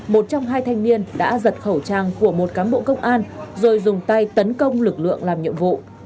một trong hai thanh niên đã giật khẩu trang của một cán bộ công an rồi dùng tay tấn công lực lượng làm nhiệm vụ